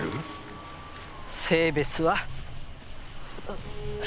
性別は。